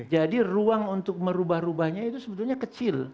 jadi ruang untuk merubah rubahnya itu sebenarnya kecil